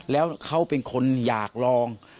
แล้วเขาเป็นคนอยากลอง